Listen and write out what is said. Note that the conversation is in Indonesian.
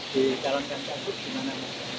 di dalam kasus gimana